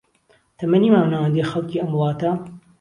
تەمەنی مامناوەندی خەڵکی ئەم وڵاتە